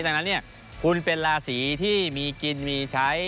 ดังนั้นคุณเป็นราศีที่มีกินมีใช้